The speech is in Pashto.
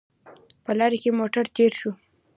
په لاره کې موټر تېر شو